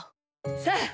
さあ。